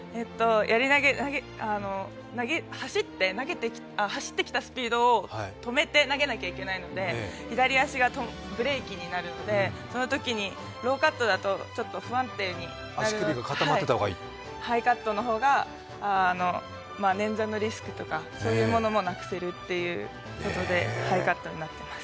やり投げ、走ってきたスピードを止めて投げなければいけないので、左足がブレーキになるので、そのときにローカットだとちょっと不安定になるのでハイカットの方がねんざのリスクとかそういうものもなくせるということでハイカットになっています。